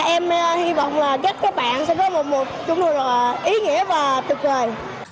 em hy vọng các bạn sẽ có một chung lượng ý nghĩa và thực trời